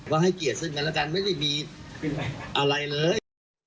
ให้เกียรติซึ่งกันแล้วกันไม่ได้มีอะไรเลย